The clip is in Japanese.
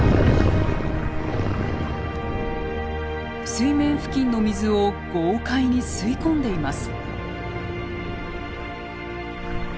水面付近の水を豪快に吸い込んでいます。